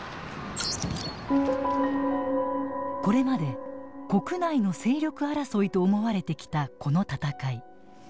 これまで国内の勢力争いと思われてきたこの戦い。